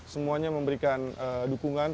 semuanya memberikan dukungan